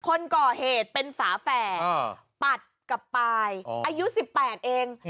คนก่อเหตุเป็นฝาแฝดปัดกับปายอายุ๑๘เอง